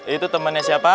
itu temennya siapa